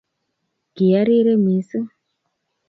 Kiarire missing.